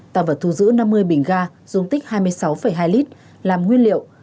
tạm vật thu giữ năm mươi bình ga dung tích hai mươi sáu hai lit làm nguyên liệu